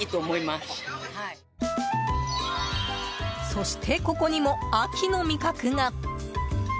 そして、ここにも秋の味覚が。